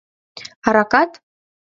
— Аракат?